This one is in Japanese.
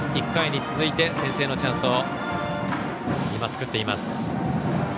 １回に続いて先制のチャンスを作っています。